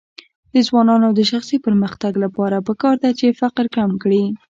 د ځوانانو د شخصي پرمختګ لپاره پکار ده چې فقر کم کړي.